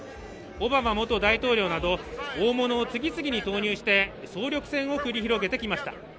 オバマ元大統領など大物を次々に投入して総力戦を繰り広げてきました